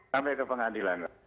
sampai ke pengadilan